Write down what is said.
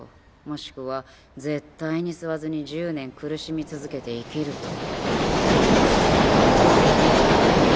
もしくは絶対に吸わずに１０年苦しみ続けて生きると。